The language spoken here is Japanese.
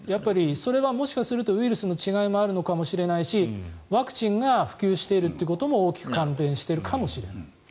それはウイルスの違いもあるのかもしれないしワクチンが普及しているってことも大きく関連しているかもしれない。